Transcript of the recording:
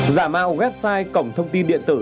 giả mạo website cổng thông tin điện tử